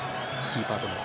キーパーとの。